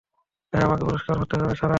হ্যাঁ আমাকে পরিষ্কার হতে হবে সারা?